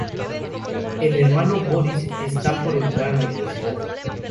El hermano, Boris, está por entrar a la universidad.